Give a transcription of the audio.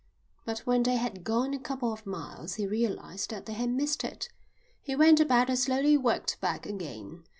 But when they had gone a couple of miles he realised that they had missed it. He went about and slowly worked back again.